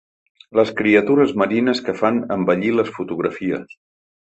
Les criatures marines que fan envellir les fotografies.